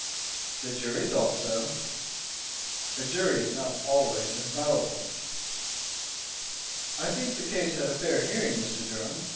"The jury thought so." "A jury is not always infallible!" "I think the case had a fair hearing, Mr. Durham.